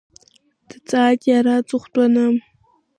Дҵааит иара аҵыхәтәаны.